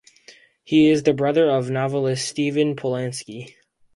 He is the brother of novelist Steven Polansky.